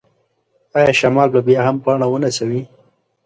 ایا شمال به بیا هم پاڼه ونڅوي؟